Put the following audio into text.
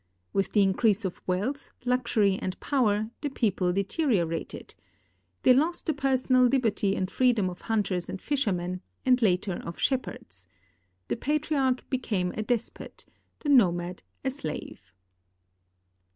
With the increase of wealth, luxury, and power the people deteriorated. They lost the personal liberty and freedom of hunters and fishermen, and later of shepherds. The patriarch became a despot, the nomad a slave.